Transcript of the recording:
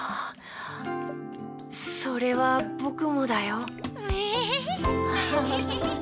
それはぼくもだよ。